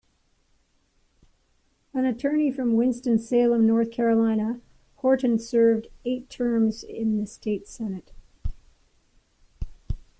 An attorney from Winston-Salem, North Carolina, Horton served eight terms in the state Senate.